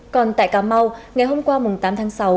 còn tại cà mau ngày hôm qua tám tháng sáu